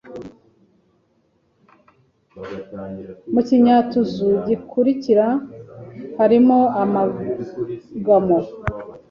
Mu kinyatuzu gikurikira harimo amagamo